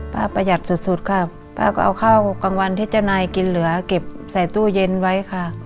ประหยัดสุดสุดค่ะป้าก็เอาข้าวกลางวันที่เจ้านายกินเหลือเก็บใส่ตู้เย็นไว้ค่ะ